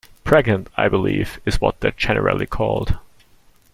Pregnant, I believe, is what they're generally called.